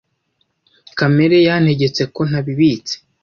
Kamere yantegetse ko ntabibitse